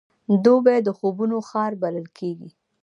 دوبی د خوبونو ښار بلل کېږي.